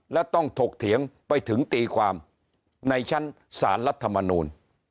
และต้องถกเถียงไปถึงตีความในชั้นศาลรัฐมนูล